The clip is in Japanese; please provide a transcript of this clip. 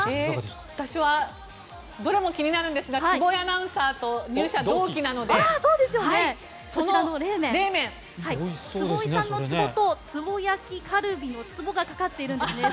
私はどれも気になりますが坪井アナウンサーと入社同期なのでその冷麺！坪井さんのツボとつぼ焼きカルビのつぼがかかっているんですね。